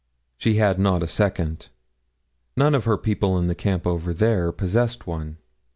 She had not a second. None of her people in the camp over there possessed one.